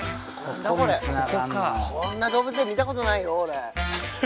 こんな動物園見たことないよ俺。